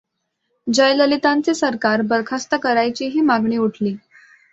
जयललितांचे सरकार बरखास्त करायचीही मागणी उठली.